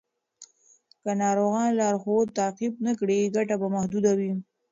که ناروغان لارښود تعقیب نه کړي، ګټه به محدوده وي.